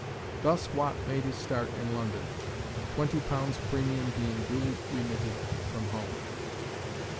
Thus Watt made his start in London, the twenty pounds premium being duly remitted from home.